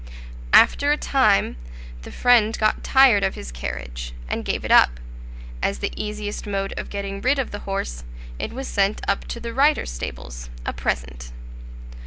After a time, the friend got tired of his carriage, and gave it up; as the easiest mode of getting rid of the horse, it was sent up to the writer's stables, a present.